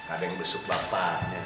ada yang besuk bapaknya